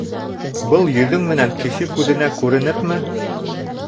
— Был йөҙөң менән кеше күҙенә күренепме?